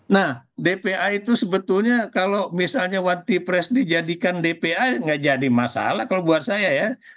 nah dpa itu sebetulnya kalau misalnya wati pres dijadikan dpa nggak jadi masalah kalau buat saya ya